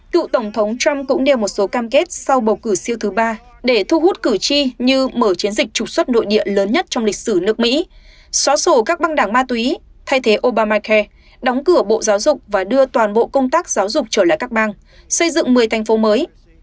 cựu tổng thống trump cũng nêu một số cam kết sau bầu cử siêu thứ ba để thu hút cử tri như mở chiến dịch trục xuất nội địa lớn nhất trong lịch sử nước mỹ xóa sổ các băng đảng ma túy thay thế obamacare đóng cửa bộ giáo dục và đưa toàn bộ công tác giáo dục trở lại các bang xây dựng một mươi thành phố mới